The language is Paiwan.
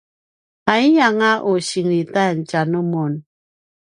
aiyanga u sengelitan tjanumun